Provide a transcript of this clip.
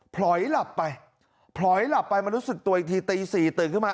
พลอยหลับไปมันรู้สึกตัวอีกทีตี๔ตื่นขึ้นมา